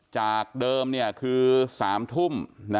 จากเดิมคือ๓ทุ่ม